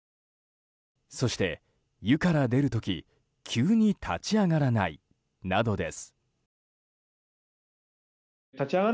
そして、湯から出る時急に立ち上がらないなどです。